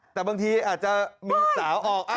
แต่บางทีอาจจะมีสาวออก